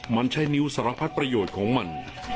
มันใช้นิ้วสารพัดประโยชน์ของมัน